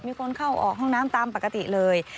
มีคนเข้าออกห้องน้ำตามปกติเลย